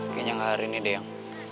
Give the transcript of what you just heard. kayaknya nggak hari ini deh yang